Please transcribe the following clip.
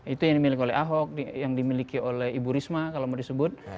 itu yang dimiliki oleh ahok yang dimiliki oleh ibu risma kalau mau disebut